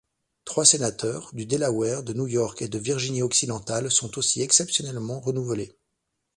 Trois sénateurs, du Delaware, de New York, et de Virginie-Occidentale sont aussi exceptionnellement renouvelés.